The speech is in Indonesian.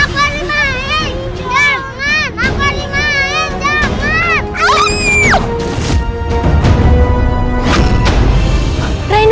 bentar aku hari main